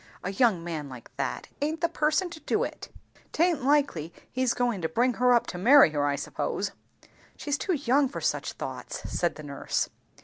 A young man like that, aint the person to do it Taint likely he's goin' to bring her up to marry her, I suppose." "She's too young for such thoughts," said the nurse.